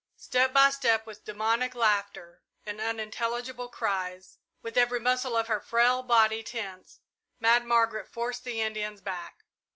Step by step, with demoniac laughter and unintelligible cries, with every muscle of her frail body tense, Mad Margaret forced the Indians back.